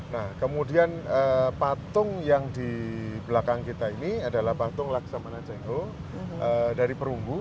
nah kemudian patung yang di belakang kita ini adalah patung laksamana cengho dari perunggu